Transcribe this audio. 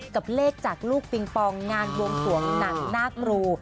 กับเลขจากลูกปิงปองงานบวงสวงหนังหน้าครู